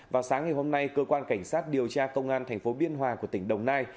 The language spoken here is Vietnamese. vào sáng ngày hôm nay cơ quan cảnh sát điều tra công an thành phố biên hòa của tỉnh đồng nai